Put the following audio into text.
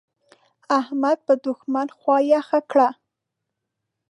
احمد په دوښمن خوا يخه کړه.